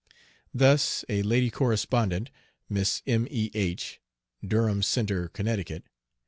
Thus a lady correspondent (Miss M. E. H., Durham Centre, Ct.)